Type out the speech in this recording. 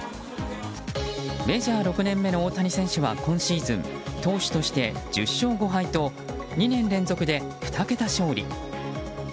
メジャー６年目の大谷選手は今シーズン投手として１０勝５敗と２年連続で２桁勝利。